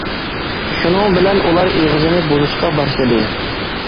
شۇنىڭ بىلەن ئۇلار ئېغىزنى بۇزۇشقا باشلىدى.